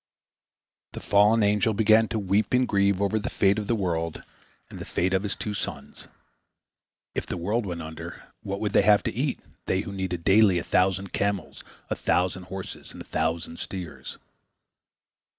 The fallen angel began to weep and grieve over the fate of the world and the fate of his two sons. If the world went under, what would they have to eat, they who needed daily a thousand camels, a thousand horses, and a thousand steers?